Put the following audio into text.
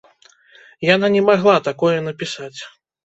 Яна не магла такое напісаць.